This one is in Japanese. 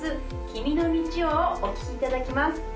「君の道を」をお聴きいただきます